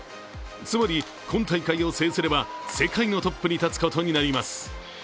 つまり今大会を制すれば、世界のトップに立つことになります。